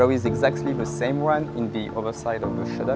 ada yang sama di sisi lain dari jalan